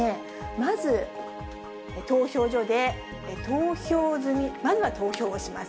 まず、投票所で投票済み、まずは投票します。